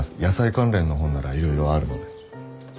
野菜関連の本ならいろいろあるので。